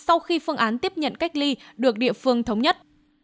tần suất khai thác được quyết định theo năng lực tiếp nhận cách ly được địa phương thống nhất